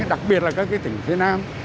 đặc biệt là các cái tỉnh phía nam